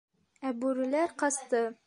Ә бүреләр ҡасты...